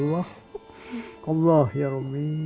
allah ya rabbi ya allah ya rukminya ya allah